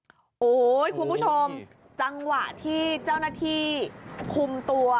โอ้โหคุณผู้ชมจังหวะที่เจ้าหน้าที่คุมตัว